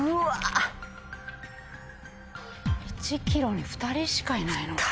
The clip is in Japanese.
１キロに２人しかいないの？